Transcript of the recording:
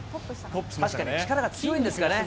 確かに、力が強いんですが。